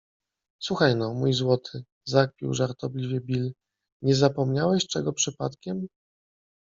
- Słuchaj no, mój złoty - zakpił żartobliwie Bill - nie zapomniałeś czego przypadkiem?